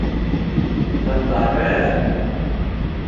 Ҡыҙҙары?